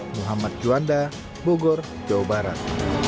muhammad juanda bogor jawa barat